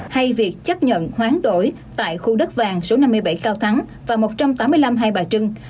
hay việc chấp nhận khoáng đổi tại khu đất vàng số năm mươi bảy cao thắng và một trăm tám mươi năm hai bà trưng